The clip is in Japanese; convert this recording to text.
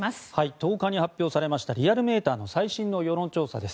１０日に発表されましたリアルメーターの最新の世論調査です。